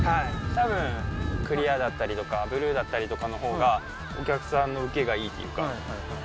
たぶん、クリアだったりとか、ブルーだったりとかのほうが、お客さんの受けがいいというか。